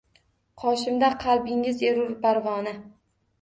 Qoshimda qalbingiz erur parvona